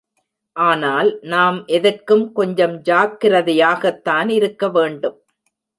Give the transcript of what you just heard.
ஆனால் நாம் எதற்கும் கொஞ்சம் ஜாக்ரதை யாகத்தான் இருக்கவேண்டும்.